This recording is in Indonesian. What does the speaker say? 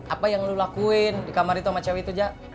apa yang lu lakuin di kamar itu sama cewek itu jak